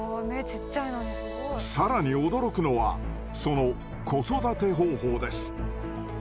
更に驚くのはその子育て方法です。